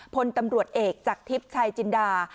พลตำรวจเอกจากทิพย์ชายจินดา